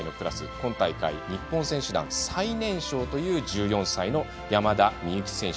今大会日本選手団最年少という１４歳の山田美幸選手。